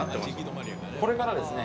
これからですね